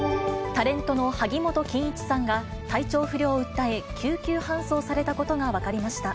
タレントの萩本欽一さんが、体調不良を訴え、救急搬送されたことが分かりました。